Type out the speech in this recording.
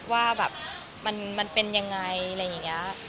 ว่าแบบมันเป็นยังไงอะไรอย่างนี้